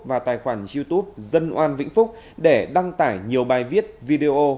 và tài khoản youtube dân oan vĩnh phúc để đăng tải nhiều bài viết video